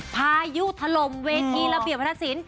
พายุทะลมเวทีระเบียบรรทศิลป์